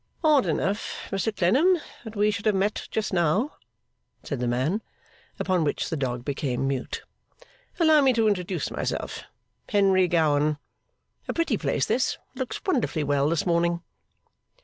'Odd enough, Mr Clennam, that we should have met just now,' said the man. Upon which the dog became mute. 'Allow me to introduce myself Henry Gowan. A pretty place this, and looks wonderfully well this morning!